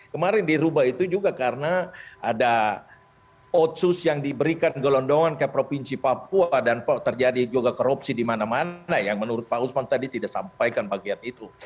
kemarin dirubah itu juga karena ada otsus yang diberikan gelondongan ke provinsi papua dan terjadi juga korupsi di mana mana yang menurut pak usman tadi tidak sampaikan bagian itu